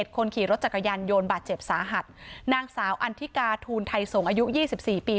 คนขี่รถจักรยานยนต์บาดเจ็บสาหัสนางสาวอันทิกาทูลไทยสงศ์อายุ๒๔ปี